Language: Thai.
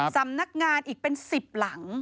สำนักงานอีกเป็น๑๐หลัง